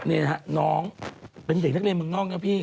นี่นะฮะน้องเป็นเด็กนักเรียนเมืองนอกนะพี่